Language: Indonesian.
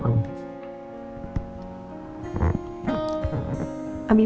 menurut kapa sih